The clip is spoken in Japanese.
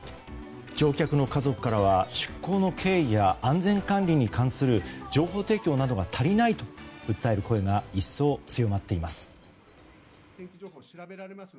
乗客の家族からは出航の経緯や安全管理に関する情報提供などが足りないと訴える声が一層強まっています。